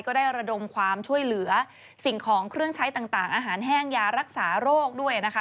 ก็ได้ระดมความช่วยเหลือสิ่งของเครื่องใช้ต่างอาหารแห้งยารักษาโรคด้วยนะคะ